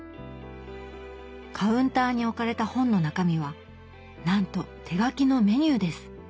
カウンターに置かれた本の中身はなんと手書きのメニューです。